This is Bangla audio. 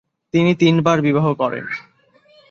তিনি তিনবার বিবাহ করেন।